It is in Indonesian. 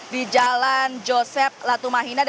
di jalan josep latumahina